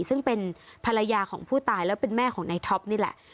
ซึ่งเป็นภรรยาของผู้ตายแล้วเป็นแม่ของนายท็อปนี่แหละ